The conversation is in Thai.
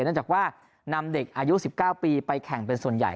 เนื่องจากว่านำเด็กอายุ๑๙ปีไปแข่งเป็นส่วนใหญ่